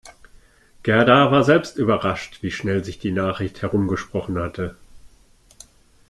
Gerda war selbst überrascht, wie schnell sich die Nachricht herumgesprochen hatte.